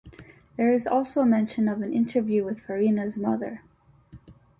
There is also mention of an interview with Farina's mother.